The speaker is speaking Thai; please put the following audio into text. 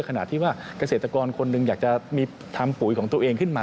ขณะที่ว่าเกษตรกรคนหนึ่งอยากจะมีทำปุ๋ยของตัวเองขึ้นมา